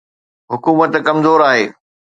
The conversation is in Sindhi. حڪومت ڪمزور آهي.